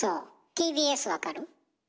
ＴＢＳ分かる？